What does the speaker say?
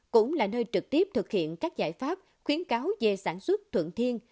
cũng là nơi trực tiếp thực hiện các giải pháp khuyến cáo về sản xuất thuận thiên